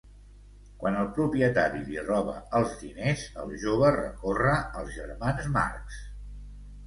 Quan el propietari li roba els diners, el jove recorre als germans Marx.